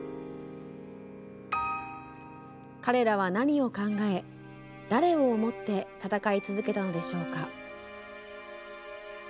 彼らは何を考え、誰を思って戦い続けたのでしょうか。